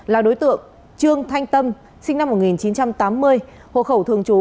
là đối tượng trương thanh tâm sinh năm một nghìn chín trăm tám mươi hộ khẩu thường trú